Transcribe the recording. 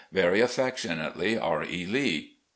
"Very affectionately, "R. E. Lee.